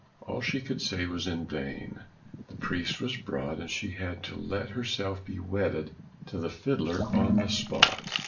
All she could say was in vain; the priest was brought, and she had to let herself be wedded to the fiddler on the spot.